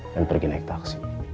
dan pergi naik taksi